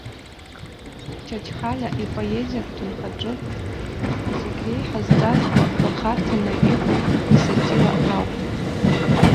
Чачхалиа ипоезиатә ҭынхаҿы зегь реиҳа зҵазкуа хырхарҭаны иҟоу исатира ауп.